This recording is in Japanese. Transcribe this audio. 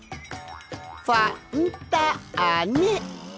「ファ・ン・タ・ー・ネ」